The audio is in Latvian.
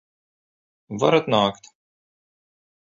Varat nākt!